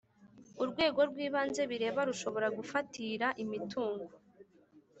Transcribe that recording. Urwego rw ibanze bireba rushobora gufatira imitungo